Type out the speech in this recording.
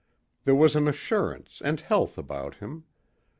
There was an assurance and health about him.